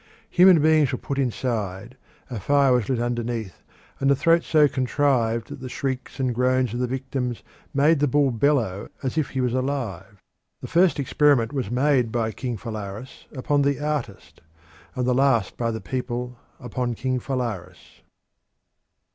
Human beings were put inside, a fire was lit underneath, and the throat was so contrived that the shrieks and groans of the victims made the bull bellow as if he was alive. The first experiment was made by King Phalaris upon the artist, and the last by the people upon King Phalaris.